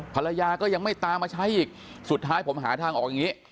ภรรยาก็ยังไม่ตามมาใช้อีกสุดท้ายผมหาทางออกอย่างนี้